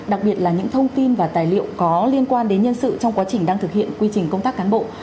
đặc biệt là những thông tin và tài liệu có liên quan đến nhân sự trong quá trình đang thực hiện quy trình công tác cán bộ